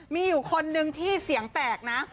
มีอยู่คนนึงที่เสียงแตกนะ